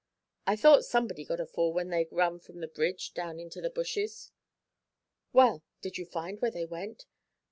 I thought somebody got a fall when they run from the bridge down into the bushes.' 'Well, did you find where they went?'